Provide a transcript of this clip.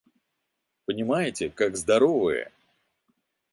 Понимаете, как здоровые!